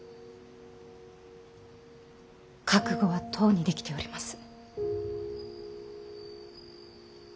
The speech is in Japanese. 覚悟はとうにできております。